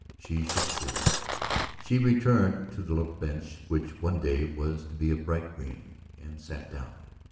She should see! She returned to the little bench which one day was to be a bright green, and sat down.